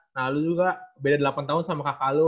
nah lu juga beda delapan tahun sama kakak lu